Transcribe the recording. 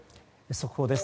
速報です。